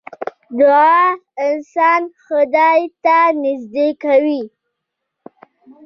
دعا انسان خدای ته نژدې کوي .